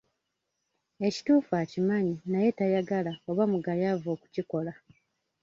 Ekituufu akimanyi naye tayagala oba mugayaavu okukikola.